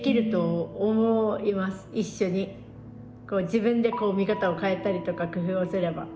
自分でこう見方を変えたりとか工夫をすれば。